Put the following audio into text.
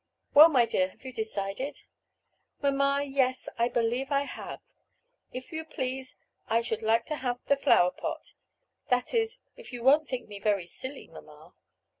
"Well, my dear, have you decided?" "Mamma! yes, I believe I have. If you please, I should like to have the flower pot; that is, if you won't think me very silly, mamma."